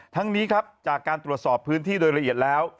ทั้งนี้ครับจากการตรวจสอบพื้นที่โดยละเอียดแล้ว